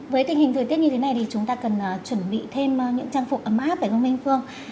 với tình hình thời tiết như thế này thì chúng ta cần chuẩn bị thêm những trang phục ấm áp phải không minh phương